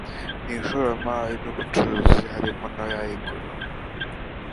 n ishoramari n ubucuruzi harimo n ay igura